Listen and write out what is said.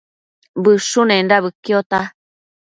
Bëshunenda bëquiota